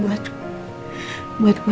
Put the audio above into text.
buat anak anak kita